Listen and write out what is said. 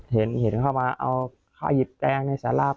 เห็นเข้ามาเอาข้อหยิบแจงในศราและเริ่ม